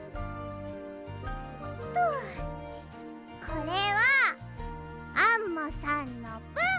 これはアンモさんのぶん！